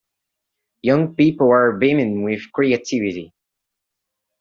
Young people are beaming with creativity.